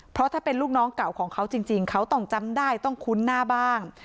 เพราะถ้าเป็นลูกน้องเก่าของเขาจริงเขาต้องจำได้ต้องคุ้นหน้าบ้าง